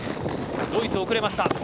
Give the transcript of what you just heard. ドイツが遅れました。